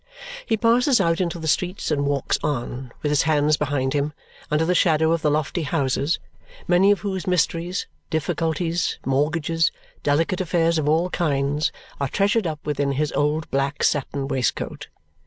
He passes out into the streets and walks on, with his hands behind him, under the shadow of the lofty houses, many of whose mysteries, difficulties, mortgages, delicate affairs of all kinds, are treasured up within his old black satin waistcoat.